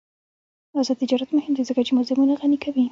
آزاد تجارت مهم دی ځکه چې موزیمونه غني کوي.